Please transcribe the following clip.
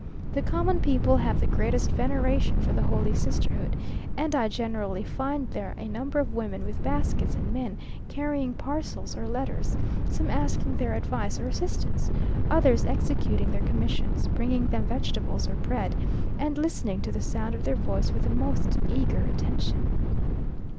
The common people have the greatest veneration for the holy sisterhood, and I generally find there a number of women with baskets, and men carrying parcels or letters; some asking their advice or assistance, others executing their commissions, bringing them vegetables or bread, and listening to the sound of their voice with the most eager attention.